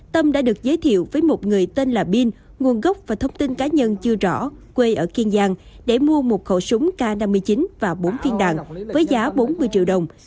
tâm đã được giới thiệu với một người tên là bin nguồn gốc và thông tin cá nhân chưa rõ quê ở kiên giang để mua một khẩu súng k năm mươi chín và bốn viên đạn với giá bốn mươi triệu đồng